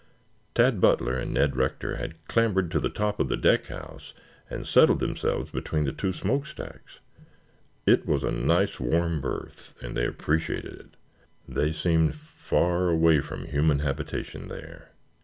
Tad Butler and Ned Rector had clambered to the top of the deck house and settled themselves between the two smokestacks. It was a nice warm berth and they appreciated it. They seemed far away from human habitation there.